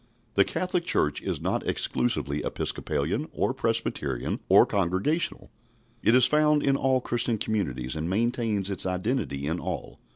The Catholic Church is not exclusively Episcopalian or Presbyterian or Congregational. It is found in all Christian communities, and maintains its identity in all.